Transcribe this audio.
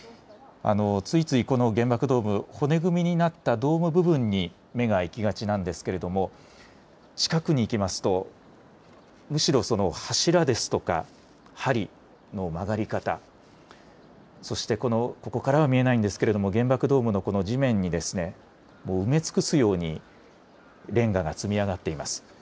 ついついこの原爆ドーム、骨組みになったドーム部分に目が行きがちなんですけれども近くに行きますとむしろ柱ですとか、はりの曲がり方、そしてここからは見えないんですけれども原爆ドームのこの地面にもう埋め尽くすようにレンガが積み上がっています。